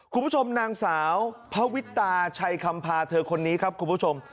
คุณผู้ชมนางสาวพระวิตาชัยคำพาเธอคนนี้ครับคุณผู้ชม